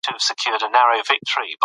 د مینې څرګندول د زړونو روغتیا زیاتوي.